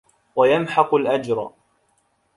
وَيَمْحَقُ الْأَجْرَ